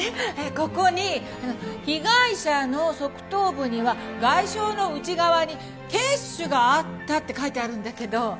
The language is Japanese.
ここに被害者の側頭部には外傷の内側に血腫があったって書いてあるんだけど。